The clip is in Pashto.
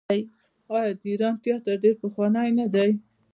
آیا د ایران تیاتر ډیر پخوانی نه دی؟